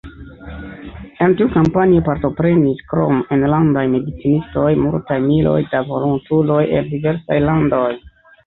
En tiu kampanjo partoprenis, krom enlandaj medicinistoj, multaj miloj da volontuloj el diversaj landoj.